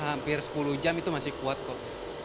hampir sepuluh jam itu masih kuat kok